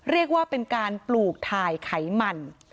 เรียกว่าเป็นการปลูกถ่ายไขมัน